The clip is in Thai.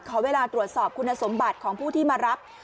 ขอเวลาตรวจสอบคุณสมบัติของผู้ที่มารับ